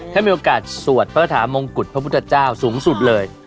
ถ้ามีโอกาสสวดพระถามงกุฎพระพุทธเจ้าสูงสุดเลย